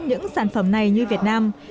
những sản phẩm này như việt nam